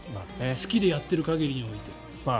好きでやっている限りにおいて。